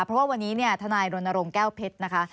เพราะว่าวันนี้ทนายรณรงค์แก้วเพชรนะคะ